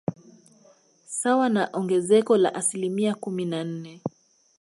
Sawa na ongezeko la asilimia kumi na nne